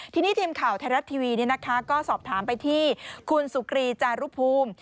ทีนี้ทีมข่าวไทยรัฐทีวีก็สอบถามไปที่คุณสุกรีจารุภูมิ